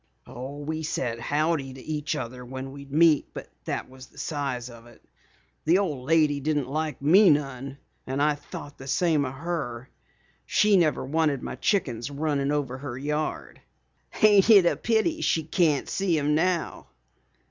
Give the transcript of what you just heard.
"Oh, we said howdy to each other when we'd meet, but that was the size of it. The old lady didn't like me none and I thought the same of her. She never wanted my chickens runnin' over her yard. Ain't it a pity she can't see 'em now?"